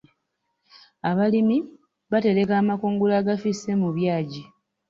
Abalimi batereka amakungula agafisse mu byagi.